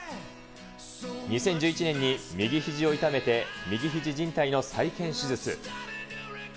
２０１１年に右ひじを痛めて、右ひじじん帯の再建手術。